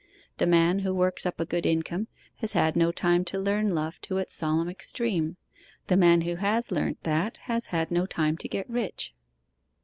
The man who works up a good income has had no time to learn love to its solemn extreme; the man who has learnt that has had no time to get rich.